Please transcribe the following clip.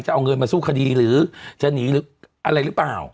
จะเอาเงินมาสู้คดีหรือจะหนีหรืออะไรหรือเปล่า